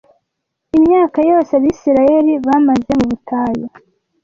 Imyaka yose Abisirayeli bamaze mu butayu